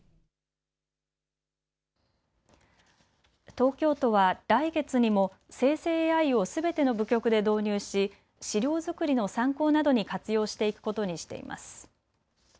東京都は来月にも生成ＡＩをすべての部局で導入し資料作りの参考などに活用していくことにしています。